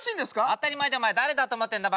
当たり前だお前誰だと思ってんだ